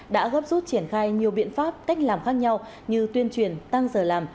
đã gấp rút triển khai nhiều biện pháp cách làm khác nhau như tuyên truyền tăng giờ làm